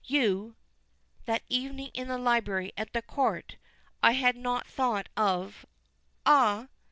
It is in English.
You! That evening in the library at the court. I had not thought of " "Ah!"